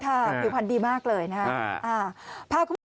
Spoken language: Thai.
ครับผิวพันธ์ดีมากเลยนะฮะภาคภาษาอังกฤษ